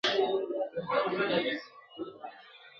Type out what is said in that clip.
په غومبرو په پرواز به وي منلي !.